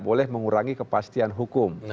boleh mengurangi kepastian hukum